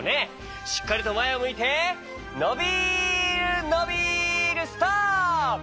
しっかりとまえをむいてのびるのびるストップ！